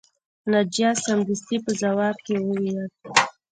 ناجیه سمدستي په ځواب کې وویل